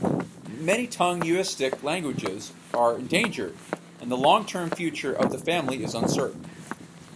Many Tungusic languages are endangered, and the long-term future of the family is uncertain.